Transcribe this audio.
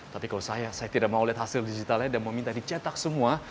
tapi kalau saya saya tidak mau lihat hasil digitalnya dan meminta dicetak semua